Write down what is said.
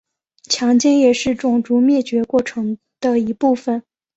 强奸也是种族灭绝过程的一部分。